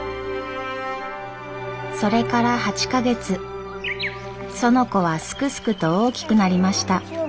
それから８か月園子はすくすくと大きくなりました。